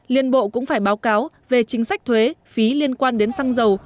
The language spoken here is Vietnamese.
liên bộ cũng phải báo cáo về chính sách thuế phí liên quan đến xăng dầu